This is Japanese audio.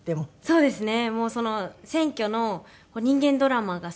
そうですね。